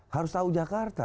harus tahu jakarta